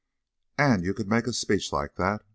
And you could make a speech like that.